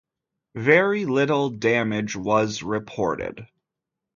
Very little damage was reported.